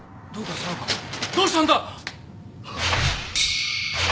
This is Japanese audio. どうしたんだ⁉ハッ！